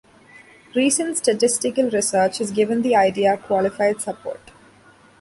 Recent statistical research has given the idea qualified support.